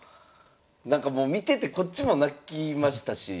なんかもう見ててこっちも泣きましたし。